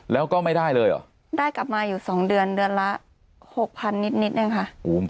แล้วก็ไม่ได้เลยเหรอได้กลับมาอยู่สองเดือนเดือนละหกพันนิดนิดนึงค่ะ